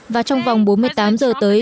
và trong vòng bốn mươi tám giờ tới